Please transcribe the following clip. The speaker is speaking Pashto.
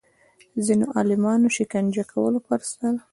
ځینو عالمانو شکنجه کولو پر سر